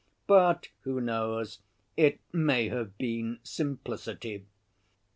But, who knows, it may have been simplicity.